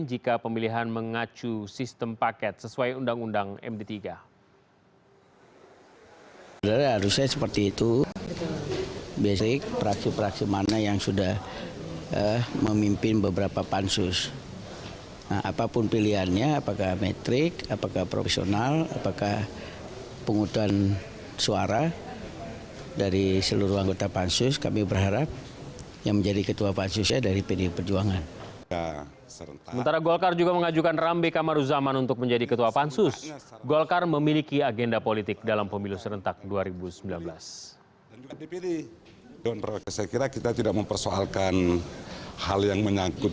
jika pemilihan mengacu sistem paket sesuai undang undang md tiga